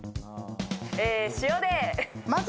塩で。